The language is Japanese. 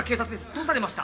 どうされました？